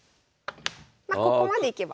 まここまでいけば。